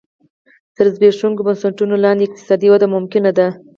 تر زبېښونکو بنسټونو لاندې اقتصادي وده ممکنه ده